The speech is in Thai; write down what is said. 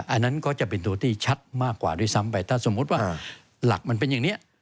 อันนั้นก็จะเป็นตัวที่ชัดมากกว่าด้วยซ้ำไปถ้าสมมุติว่าหลักมันเป็นอย่างนี้